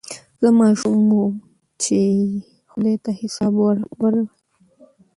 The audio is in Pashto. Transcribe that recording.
زه ماشوم وم چي یې خدای ته حساب وړی